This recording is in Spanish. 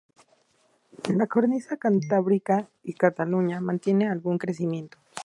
La cornisa cantábrica y Cataluña mantienen algún crecimiento.